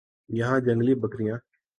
یہاں جنگلی بکریاں